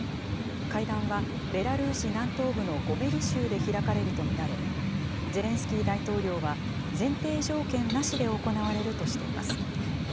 会談は、ベラルーシ南東部のゴメリ州で開かれると見られ、ゼレンスキー大統領は前提条件なしで行われるとしています。